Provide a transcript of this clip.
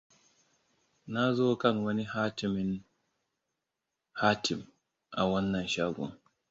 Na zo kan wani hatimin hatim a wannan shagon.